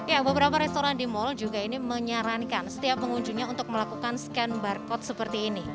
ya beberapa restoran di mal juga ini menyarankan setiap pengunjungnya untuk melakukan scan barcode seperti ini